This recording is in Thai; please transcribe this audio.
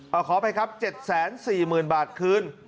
เอาขอไปครับเจ็ดแสนสี่หมื่นบาทคืน